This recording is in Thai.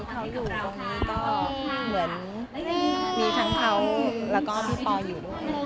เขาอยู่ตรงนี้ก็เหมือนมีทั้งเขาแล้วก็พี่ปออยู่ด้วย